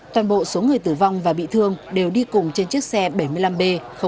toàn bộ số người tử vong và bị thương đều đi cùng trên chiếc xe bảy mươi năm b năm mươi hai